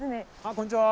こんにちは。